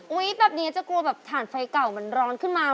แบบนี้จะกลัวแบบฐานไฟเก่ามันร้อนขึ้นมา